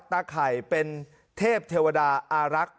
ไข่เป็นเทพเทวดาอารักษ์